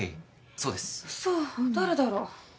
そう誰だろう？